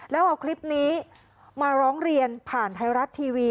แล้วเอาคลิปนี้มาร้องเรียนผ่านไทยรัฐทีวี